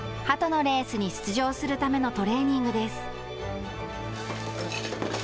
はとのレースに出場するためのトレーニングです。